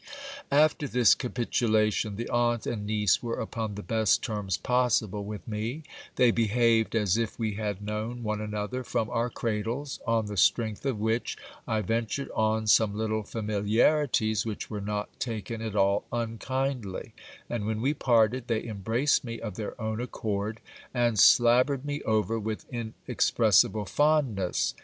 After this capitulation, the aunt and niece were upon the best terms possible with me : they behaved as if we had known one another from our cradles ; on the strength of which I ventured on some little familiarities, which were not taken at all unkindly ; and when we parted, they embraced me of their own ac cord, and slabbered me over with inexpressible fondness.